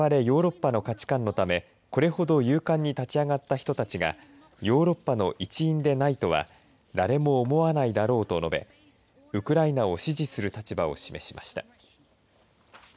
ヨーロッパの価値観のためこれほど勇敢に立ち上がった人たちがヨーロッパの一員でないとは誰も思わないだろうと述べウクライナを支持する立場を示しました。